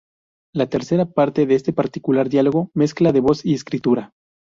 La tercera parte es este particular diálogo, mezcla de voz y escritura.